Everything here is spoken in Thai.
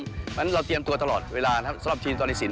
เพราะฉะนั้นเราเตรียมตัวตลอดเวลานะครับสำหรับทีมกริตสิน